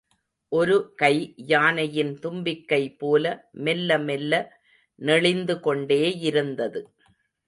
ஒரு கை, யானையின் தும்பிக்கை போல மெல்ல மெல்ல நெளிந்து கொண்டே யிருந்தது.